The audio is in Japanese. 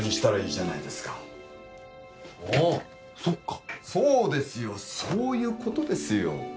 そっかそうですよそういうことですよ